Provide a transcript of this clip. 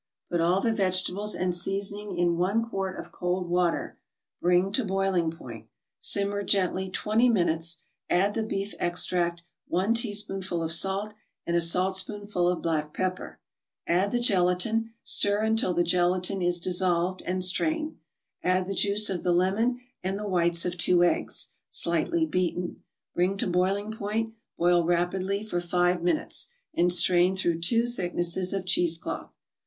Put all the vegetables and seasoning in one quart of cold water, bring to boiling point, simmer gently twenty minutes, add the beef extract, one teaspoonful of salt and a saltspoonful of black pepper. Add the gelatin, stir until the gelatin is dissolved, and strain. Add the juice of the lemon and the whites of two eggs, slightly beaten. Bring to boiling point, boil rapidly for five minutes, and strain through two thicknesses of cheese cloth.